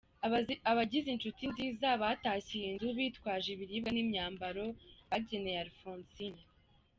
Abagize Inshuti nziza batashye iyi nzu bitwaje ibiribwa n’imyambaro bageneye Alphonsine.